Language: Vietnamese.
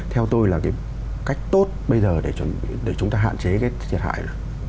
theo tôi là cái cách tốt bây giờ để chúng ta hạn chế cái thiệt hại là